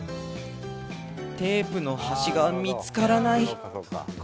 「テープのはしがみつからない」。